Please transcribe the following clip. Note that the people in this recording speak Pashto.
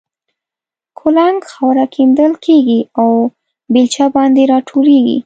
کولنګ خاوره کیندل کېږي او بېلچه باندې را ټولېږي.